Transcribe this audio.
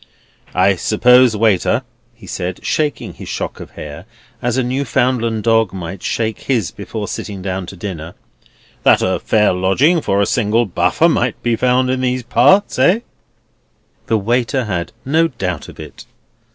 "I suppose, waiter," he said, shaking his shock of hair, as a Newfoundland dog might shake his before sitting down to dinner, "that a fair lodging for a single buffer might be found in these parts, eh?" The waiter had no doubt of it.